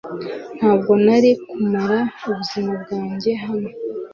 Ntabwo nari kumara ubuzima bwanjye hano .